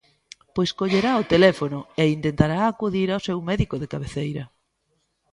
Pois collerá o teléfono e intentará acudir ao seu médico de cabeceira.